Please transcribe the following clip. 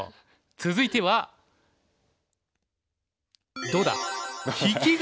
続いてはどうだ。